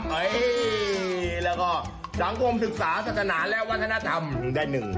แล้วก็สังคมศึกษาศาสนาและวัฒนธรรมใดหนึ่ง